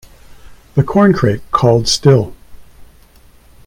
The corncrake called still.